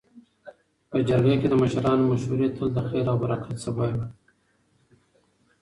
. په جرګه کي د مشرانو مشورې تل د خیر او برکت سبب وي.